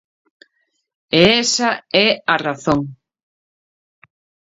E esa é a razón.